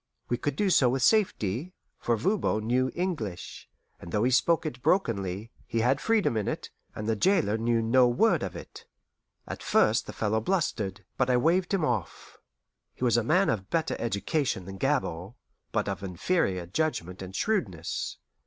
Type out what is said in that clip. We could do so with safety, for Voban knew English; and though he spoke it brokenly, he had freedom in it, and the jailer knew no word of it. At first the fellow blustered, but I waved him off. He was a man of better education than Gabord, but of inferior judgment and shrewdness.